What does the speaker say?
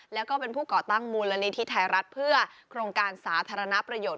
แล้วก็เป็นผู้ก่อตั้งมูลนิธิไทยรัฐเพื่อโครงการสาธารณประโยชน